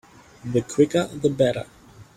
The quicker the better.